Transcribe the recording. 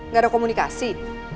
gak ada komunikasi